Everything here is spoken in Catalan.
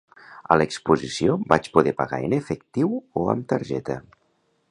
A l'exposició vaig poder pagar en efectiu o amb targeta.